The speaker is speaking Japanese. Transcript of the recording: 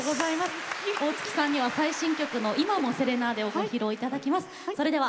大月さんには最新曲の「今も．．．セレナーデ」披露いただきます。